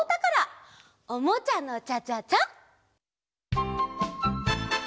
「おもちゃのチャチャチャ」！